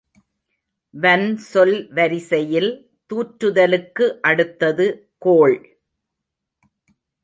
வன்சொல் வரிசையில் தூற்றுதலுக்கு அடுத்தது கோள்.